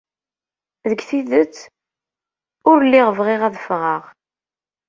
Deg tidet, ur lliɣ bɣiɣ ad ffɣeɣ.